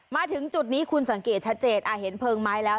มาถึงจุดนี้คุณสังเกตชัดเจนเห็นเพลิงไหมแล้ว